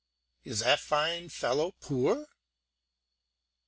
"Is that fine fellow poor?"